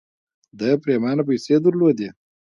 ده پرېمانه پيسې درلودې.